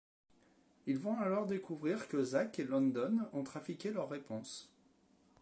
Ils vont alors découvrir que Zack et London ont trafiqué leurs réponses.